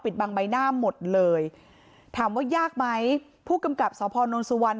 ปิดบางใบหน้าหมดเลยถามว่ายากไหมผู้กำกับสสวปน้นสวรรค์